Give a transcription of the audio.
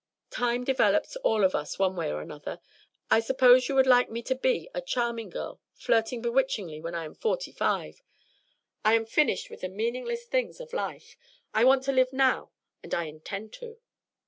"Time develops all of us, one way or another. I suppose you would like me to be a charming girl flirting bewitchingly when I am forty five. I am finished with the meaningless things of life. I want to live now, and I intend to."